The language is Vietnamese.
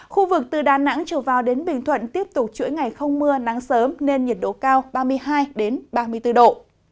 khu vực từ đà nẵng trở vào đến bình thuận tiếp tục chuỗi ngày không mưa nắng sớm nên nhiệt độ cao ba mươi hai ba mươi bốn độ